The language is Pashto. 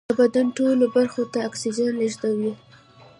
د بدن ټولو برخو ته اکسیجن لېږدوي